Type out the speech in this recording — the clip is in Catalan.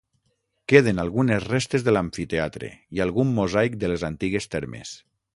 Queden algunes restes de l'amfiteatre, i algun mosaic de les antigues termes.